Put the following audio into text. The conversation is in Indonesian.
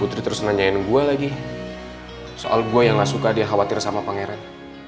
putri terus nanyain gue lagi soal gue yang gak suka dia khawatir sama pangeran